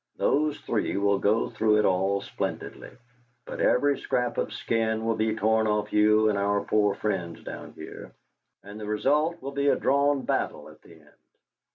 Those three will go through it all splendidly, but every scrap of skin will be torn off you and our poor friends down here, and the result will be a drawn battle at the end!